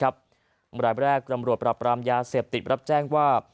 บรรยาบรักษณ์ปราบรามยาเสพติดรับแจ้งว่า